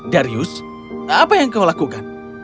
darius apa yang kau lakukan